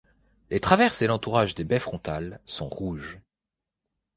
Les traverses et l'entourage des baies frontales sont rouges.